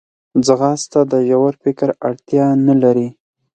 ځغاسته د ژور فکر اړتیا نه لري